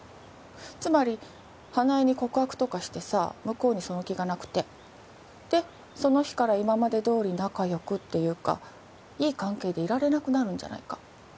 つまり花枝に告白とかしてさ向こうにその気がなくてでその日から今までどおり仲よくっていうかいい関係でいられなくなるんじゃないか